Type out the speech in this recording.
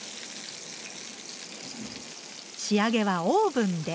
仕上げはオーブンで。